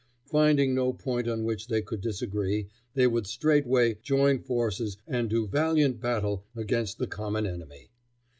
Finding no point on which they could disagree, they would straightway join forces and do valiant battle against the common enemy.